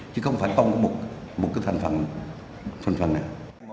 chứ không phải công của một cái phần phần này